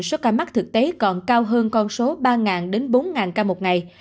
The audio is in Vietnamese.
số ca mắc thực tế còn cao hơn con số ba đến bốn ca một ngày